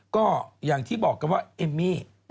ก็อย่างที่บอกกันว่าเอมมี่